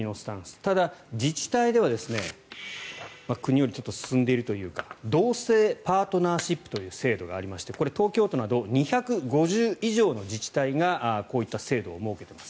ただ、自治体では国より進んでいるというか同性パートナーシップという制度がありましてこれは東京都など２５０以上の自治体がこういった制度を設けています。